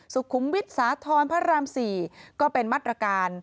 สุขุมวิทย์สาธรณ์พระราม๔ก็เป็นมาตรการ